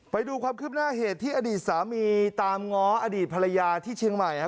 ไปดูความคืบหน้าเหตุที่อดีตสามีตามง้ออดีตภรรยาที่เชียงใหม่ฮะ